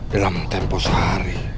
dalam tempo sehari